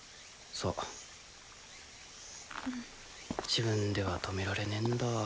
自分では止められねえんだわ。